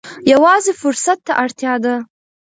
یوازې فرصت ته اړتیا ده.